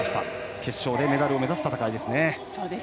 決勝でメダルを目指す戦いです。